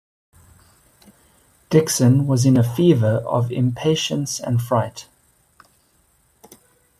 Dickson was in a fever of impatience and fright.